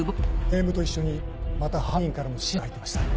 ネームと一緒にまた犯人からの指示が入ってました。